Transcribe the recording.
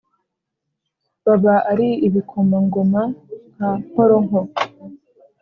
baba ari ibikomangoma nka nkoronko;